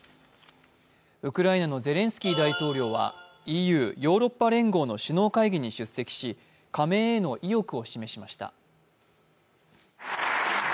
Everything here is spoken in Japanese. ウクライナのゼレンスキー大統領はＥＵ＝ヨーロッパ連合の首脳会議に出席し加盟への意欲を示しました。